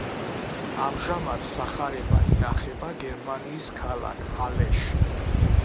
ამჟამად სახარება ინახება გერმანიის ქალაქ ჰალეში.